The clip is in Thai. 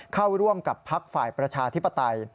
เข้าร่วมกับพักฝ่ายประชาธิปไตย